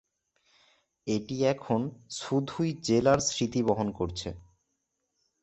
এটি এখন শুধুই জেলার স্মৃতি বহন করছে।